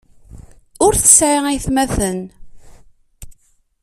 Ur tesɛi aytmaten.